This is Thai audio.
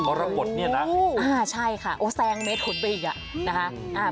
เขาระบดเนี่ยนะใช่ค่ะแซงเมตต์ขนไปอีก